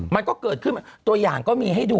มันก็เกิดขึ้นตัวอย่างก็มีให้ดู